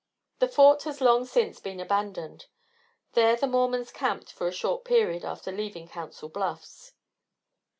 The fort has long since been abandoned. There the Mormons camped for a short period after leaving Council Bluffs.